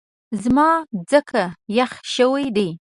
زما ځکه یخ شوی دی